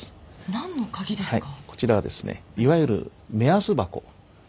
何の鍵ですか？